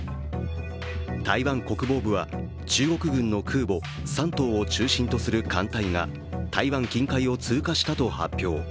台湾国防部は中国軍の空母「山東」を中心とする艦隊が台湾近海を通過したと発表。